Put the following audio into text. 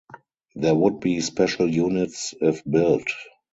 There would be special units if built.